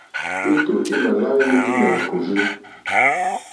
Étò é mà lá hwɛ́nɛ́ ndí nà è pùrzí.